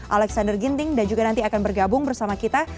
alexander ginting dan juga nanti akan bergabung bersama kita